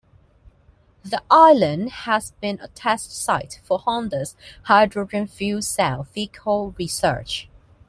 The island has been a test site for Honda's hydrogen fuel cell vehicle research.